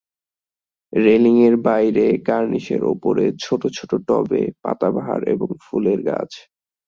রেলিঙের বাহিরে কার্নিসের উপরে ছোটো ছোটো টবে পাতাবাহার এবং ফুলের গাছ।